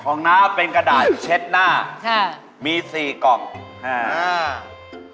น้าเป็นกระดาษเช็ดหน้าค่ะมีสี่กล่องอ่าอ่า